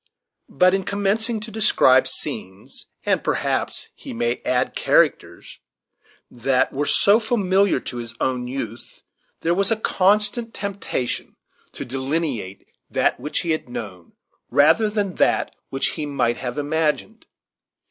But in commencing to describe scenes, and perhaps he may add characters, that were so familiar to his own youth, there was a constant temptation to delineate that which he had known, rather than that which he might have imagined.